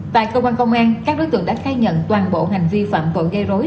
tại cơ quan công an các đối tượng đã khai nhận toàn bộ hành vi phạm tội gây rối